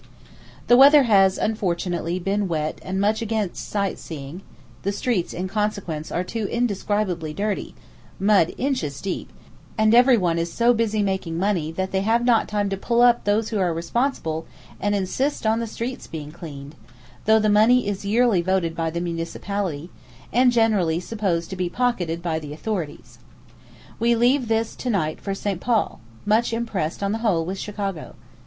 The weather has, unfortunately, been wet and much against sight seeing, the streets in consequence are too indescribably dirty, mud inches deep, and everyone is so busy making money that they have not time to pull up those who are responsible and insist on the streets being cleaned, though the money is yearly voted by the municipality, and generally supposed to be pocketed by the authorities. We leave this to night for St. Paul, much impressed on the whole with Chicago.